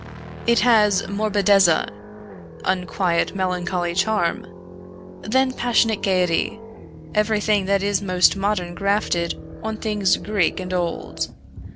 It has morbidezza unquiet melancholy charm, then passionate gaiety everything that is most modern grafted on things Greek and old.